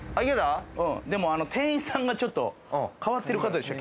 うんでも店員さんがちょっと変わってる方でした